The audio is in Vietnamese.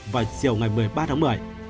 vào chiều ngày một mươi ba tháng một mươi